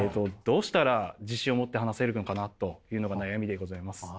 どうしたら自信を持って話せるのかなというのが悩みでございます。